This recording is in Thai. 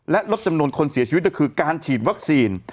และลดจำนวนคนเสียชีวิตก็คือการฉีดวัคซีน